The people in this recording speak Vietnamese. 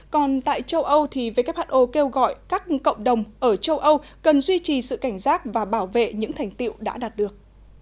còn tại châu âu thì who kêu gọi các cộng đồng ở châu âu cần duy trì sự cảnh giác và bảo vệ những thành tiệu đã đạt được